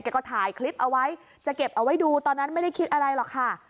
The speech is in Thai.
ก็ถ่ายคลิปเอาไว้จะเก็บเอาไว้ดูตอนนั้นไม่ได้คิดอะไรหรอกค่ะ